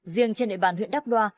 riêng trên địa bàn huyện đắp đoa